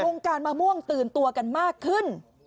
การมะม่วงตื่นตัวกันมากขึ้น